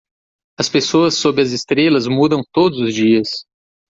As pessoas sob as estrelas mudam todos os dias